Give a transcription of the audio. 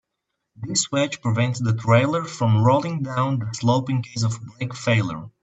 This wedge prevents the trailer from rolling down the slope in case of brake failure.